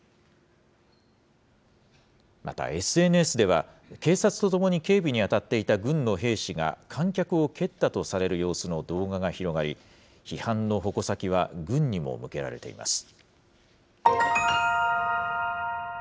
またＳＮＳでは、警察とともに警備に当たっていた軍の兵士が、観客を蹴ったとされる様子の動画が広がり、批判の矛先は軍にも向けられています。